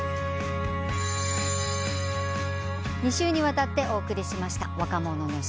２週にわたってお送りしました若者のすべて。